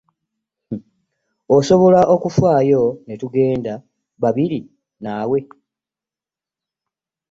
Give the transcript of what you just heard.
Osobola okufaayo ne tugenda babiri naawe?